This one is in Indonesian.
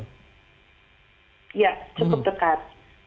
ya cukup dekat